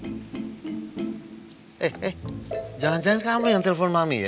eh eh jangan jangan kamu yang telpon mami ya